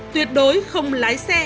tuyệt đối không lái xe